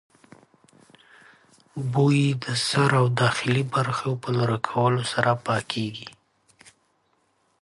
The smelt are cleaned by removing the head and the entrails.